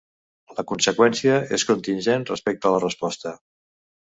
La conseqüència és contingent respecte la resposta.